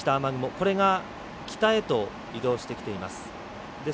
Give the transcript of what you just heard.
これが北へと移動してきています。